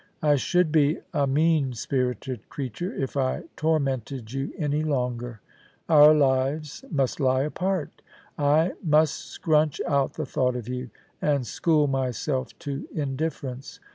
I should be a mean spirited creature if I tormented you any longer. Our lives must lie apart I must scrunch out the thought of you, and school myself to indifference.